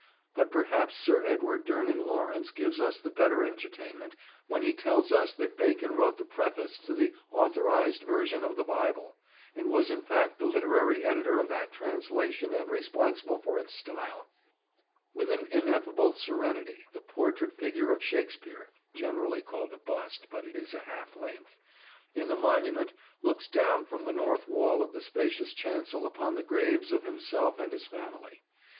But perhaps Sir Edwin Durning Lawrence gives us the better entertainment when he tells us that Bacon wrote the preface to the Authorised Version of the Bible, and was in fact the literary editor of that translation and responsible for its style! [Picture: The Chancel, Holy Trinity Church, with Shakespeare's Monument] With an ineffable serenity the portrait figure of Shakespeare (generally called a "bust," but it is a half length) in the monument looks down from the north wall of the spacious chancel upon the graves of himself and his family.